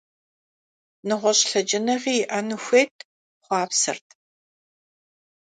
Нэгъуэщӏ лъэкӏыныгъи иӏэну хуейт, хъуапсэрт.